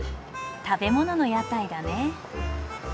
食べ物の屋台だね。